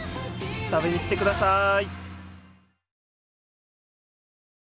食べに来て下さい。